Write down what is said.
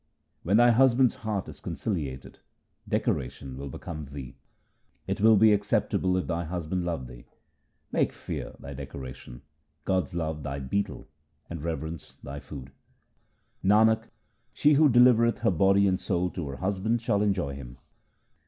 When thy Husband's heart is conciliated, decoration will become thee. It will be acceptable if thy Husband love thee. Make fear thy decoration, God's love thy betel, and reverence thy food. Nanak, she who delivereth her body and soul to her Husband shall enjoy Him.